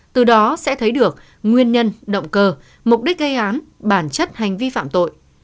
từ đó sẽ thấy được nguyên nhân động cơ mục đích gây án bản chất hành vi phạm tội